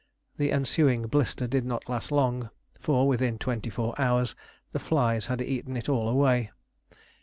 The ensuing blister did not last long, for within twenty four hours the flies had eaten it all away.